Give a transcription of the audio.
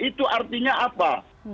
itu artinya apa